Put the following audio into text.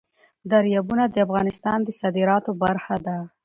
دریابونه د افغانستان د صادراتو برخه ده.